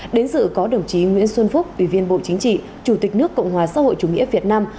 đến dự có đồng chí nguyễn xuân phúc ủy viên bộ chính trị chủ tịch nước cộng hòa xã hội chủ nghĩa việt nam